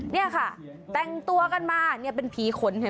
นี่ค่ะแต่งตัวกันมาเนี่ยเป็นผีขนเห็น